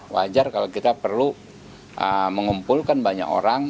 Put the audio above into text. wajar kalau kita perlu mengumpulkan banyak orang